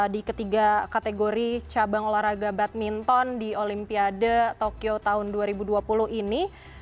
di ketiga kategori cabang olahraga badminton di olimpiade tokyo tahun dua ribu dua puluh ini